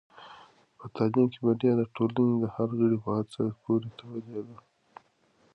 په تعلیم کې بریا د ټولنې د هر غړي په هڅه پورې تړلې ده.